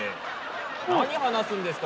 何話すんですか？